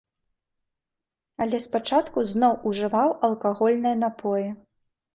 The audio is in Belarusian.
Але спачатку зноў ужываў алкагольныя напоі.